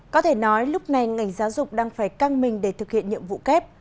có thể nói lúc này ngành giáo dục đang phải căng mình để thực hiện nhiệm vụ kép